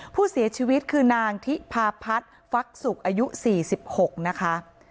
ผู้เสียชีวิตคือนางทิพาพัฒน์ฟักศุกร์อายุ๔๖นะคะ